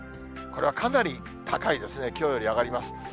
これはかなり高いですね、きょうより上がります。